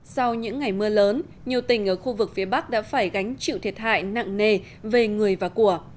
sau những ngày mưa lớn nhiều tỉnh ở khu vực phía bắc đã phải gánh chịu thiệt hại nặng nề về người và của